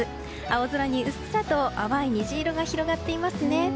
青空にうっすらと淡い虹が広がっていますね。